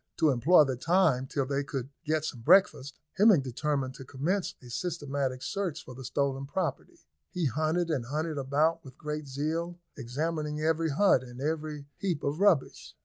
To employ the time till they could get some breakfast, Hemming determined to commence a systematic search for the stolen property. They hunted and hunted about with great zeal, examining every hut and every heap of rubbish.